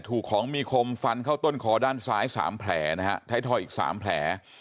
ถูกของมีคมฟันเข้าต้นคอด้านซ้าย๓แผลนะฮะไทยทอยอีก๓แผล